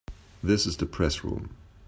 This is the Press Room.